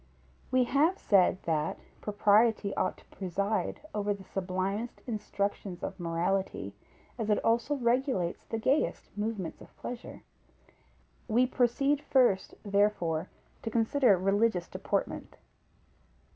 _ We have said, that propriety ought to preside over the sublimest instructions of morality, as it also regulates the gayest movements of pleasure. We proceed first, therefore, to consider religious deportment.